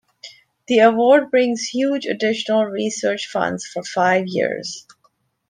The award brings huge additional research funds for five years.